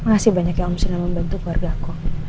makasih banyaknya om musyid yang membantu keluarga aku